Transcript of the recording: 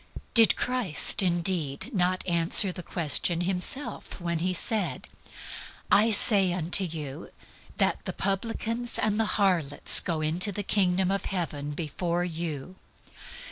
Did Christ indeed not answer the question Himself when He said, "I say unto you that the publicans and the harlots go into the Kingdom of Heaven before you"?